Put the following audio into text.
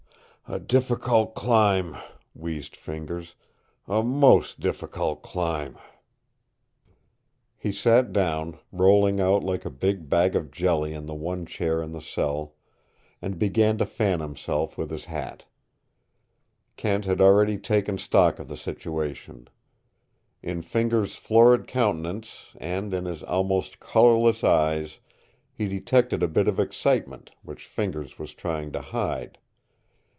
"A difficult climb," wheezed Fingers. "A most difficult climb." He sat down, rolling out like a great bag of jelly in the one chair in the cell, and began to fan himself with his hat. Kent had already taken stock of the situation. In Fingers' florid countenance and in his almost colorless eyes he detected a bit of excitement which Fingers was trying to hide.